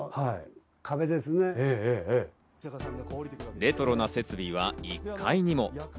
レトロな設備は１階にも。